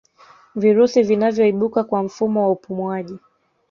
virusi vinavyoibuka kwa mfumo wa upumuwaji